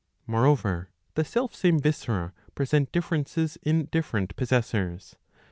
Moreover the self same viscera present differences in different possessors.